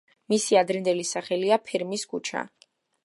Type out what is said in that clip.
მისი ადრინდელი სახელია ფერმის ქუჩა.